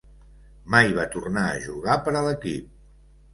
Mai va tornar a jugar per a l'equip.